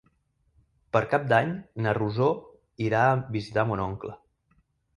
Per Cap d'Any na Rosó irà a visitar mon oncle.